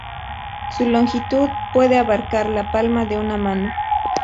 Su longitud puede abarcar la palma de una mano.